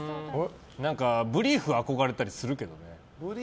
ブリーフに憧れたりするけどね。